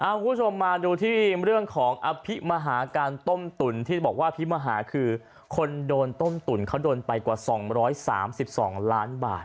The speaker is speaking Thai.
คุณผู้ชมมาดูที่เรื่องของอภิมหาการต้มตุ๋นที่บอกว่าพิมหาคือคนโดนต้มตุ๋นเขาโดนไปกว่า๒๓๒ล้านบาท